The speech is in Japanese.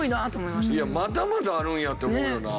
いやまだまだあるんやって思うよな。